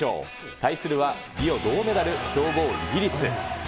対するはリオ銅メダル強豪イギリス。